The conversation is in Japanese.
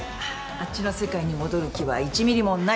あっちの世界に戻る気は１ミリもない。